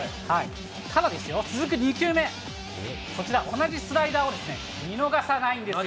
ただ、続く２球目、こちら、同じスライダーを見逃さないんですよ。